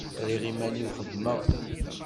Rriɣ iman-iw xeddmeɣ.